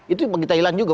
itu bagi thailand juga